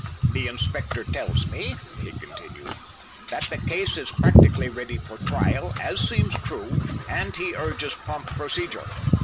The Inspector tells me," he continued, "that the case is practically ready for trial, as seems true, and he urges prompt procedure.